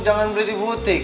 jangan beli di butik